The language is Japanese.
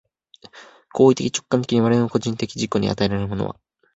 行為的直観的に我々の個人的自己に与えられるものは、